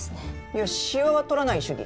いやしわは取らない主義。